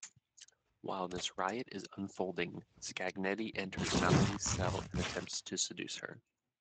While this riot is unfolding, Scagnetti enters Mallory's cell and attempts to seduce her.